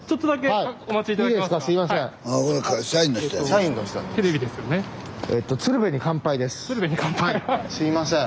はいすいません。